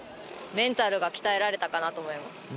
メンタルが鍛えられたかなと思います。